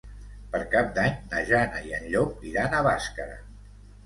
Per Cap d'Any na Jana i en Llop iran a Bàscara.